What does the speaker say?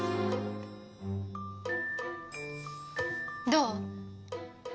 どう？